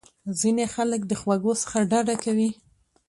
ځینې خلک د خوږو څخه ډډه کوي.